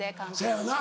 そやよな。